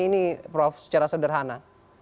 ini prof secara sederhana